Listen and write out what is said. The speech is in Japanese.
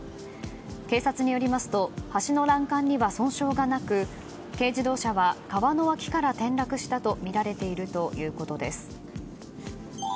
警察によりますと橋の欄干には損傷がなく軽自動車は川の脇から転落したとみられているということです。